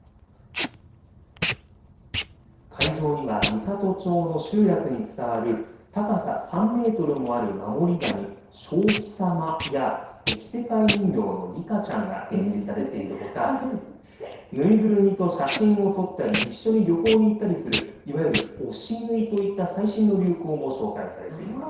会場には美郷町の集落に伝わる高さ３メートルもある守り神、ショウキサマや、着せ替え人形のリカちゃんが展示されているほか、縫いぐるみと写真を撮ったり、一緒に旅行に行ったりする、いわゆる推しぬいといった最新の流行も紹介されています。